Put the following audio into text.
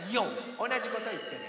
おなじこといってね。